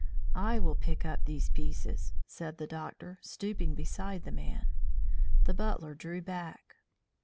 "I will pick up these pieces," said the doctor, stooping beside the man. The butler drew back.